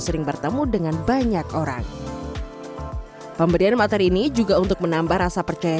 sering bertemu dengan banyak orang pemberian materi ini juga untuk menambah rasa percaya